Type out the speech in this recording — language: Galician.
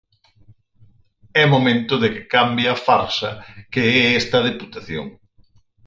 É momento de que cambie a farsa que é esta Deputación.